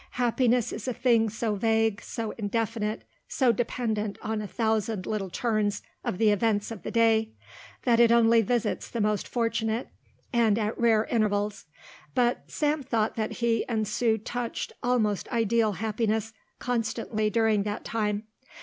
Happiness is a thing so vague, so indefinite, so dependent on a thousand little turns of the events of the day, that it only visits the most fortunate and at rare intervals, but Sam thought that he and Sue touched almost ideal happiness constantly during that time.